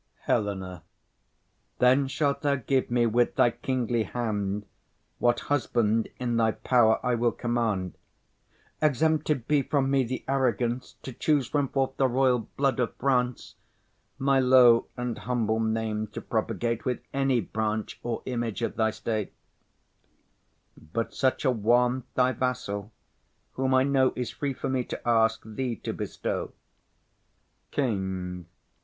HELENA. Then shalt thou give me, with thy kingly hand What husband in thy power I will command: Exempted be from me the arrogance To choose from forth the royal blood of France, My low and humble name to propagate With any branch or image of thy state; But such a one, thy vassal, whom I know Is free for me to ask, thee to bestow. KING.